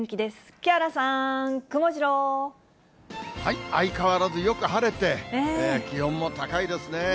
木原さん、相変わらずよく晴れて、気温も高いですね。